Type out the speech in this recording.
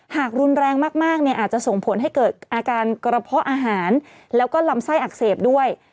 หากรุนแรงมากเนี่ยอาจจะส่งผลให้เกิดอาการกระเพาะอาหารแล้วก็ลำไส้อักเสบด้วย